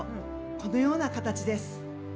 このような形です。